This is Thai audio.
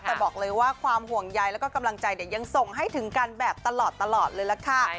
แต่บอกเลยว่าความห่วงใยแล้วก็กำลังใจเนี่ยยังส่งให้ถึงกันแบบตลอดเลยล่ะค่ะ